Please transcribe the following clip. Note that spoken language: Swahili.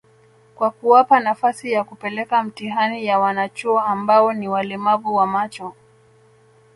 kwa kuwapa nafasi ya kupeleka mtihani ya wanachuo ambao ni walemavu wa macho